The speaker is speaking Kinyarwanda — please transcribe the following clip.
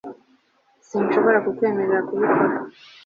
sinshobora kukwemerera kubikora